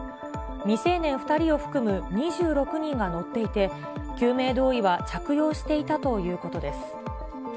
未成年２人を含む２６人が乗っていて、救命胴衣は着用していたということです。